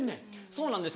そうなんです